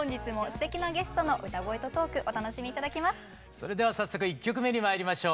それでは早速１曲目にまいりましょう。